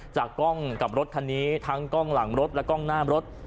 จากกล้องกับรถคันนี้ทั้งกล้องหลังรถและกล้องหน้ารถ